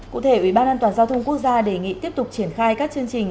cụ thể ủy ban an toàn giao thông quốc gia đề nghị tiếp tục triển khai các chương trình